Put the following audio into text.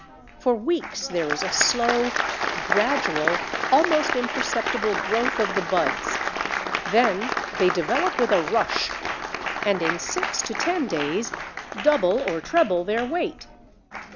For weeks there is a slow, gradual, almost imperceptible growth of the buds, then they develop with a rush, and in six to ten days double or treble their weight.